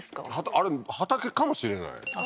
あれ畑かもしれないあっ